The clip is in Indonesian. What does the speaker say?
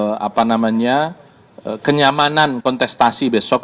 untuk apa namanya kenyamanan kontestasi besok